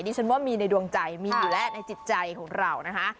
ฉันว่ามีในดวงใจมีอยู่แล้วในจิตใจของเรานะคะ